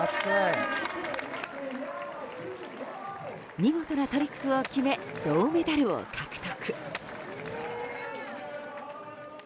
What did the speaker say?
見事なトリックを決め銅メダルを獲得。